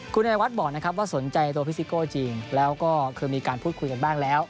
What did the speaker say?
คุณไอวัดบอกนะครับว่าสนใจตัวพี่ซิโก้จริงแล้วก็เคยมีการพูดคุยกันบ้างแล้ว